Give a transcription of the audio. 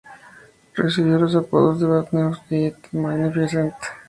Recibió los apodos de "Bad News" y "The Magnificent".